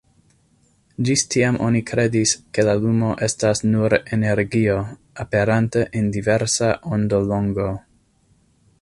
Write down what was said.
Ĝis tiam oni kredis, ke la lumo estas nur energio, aperante en diversa ondolongo.